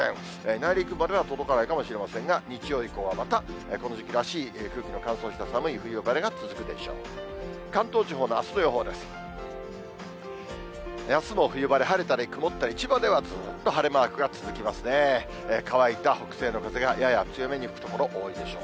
内陸までは届かないかもしれませんが、日曜以降はまた、この時期らしい空気の乾燥した寒い冬晴れが続くでしょう。